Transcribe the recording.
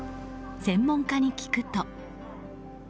専門家に聞くと。